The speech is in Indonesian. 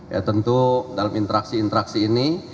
ya tentu dalam interaksi interaksi ini